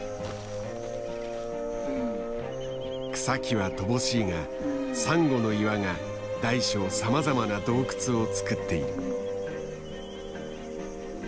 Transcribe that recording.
草木は乏しいがサンゴの岩が大小さまざまな洞窟をつくっている。